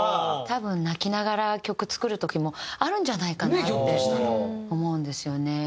多分泣きながら曲作る時もあるんじゃないかなって思うんですよね。